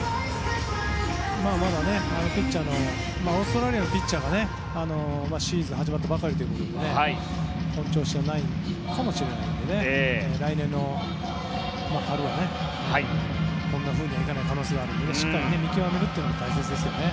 まだオーストラリアのピッチャーはシーズンが始まったばかりということで本調子じゃないのかもしれないので来年の春はこんなふうにはいかない可能性があるのでしっかり見極めるのも大切です。